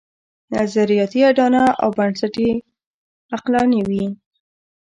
نظریاتي اډانه او بنسټ یې عقلاني وي.